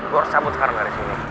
gue harus cabut sekarang dari sini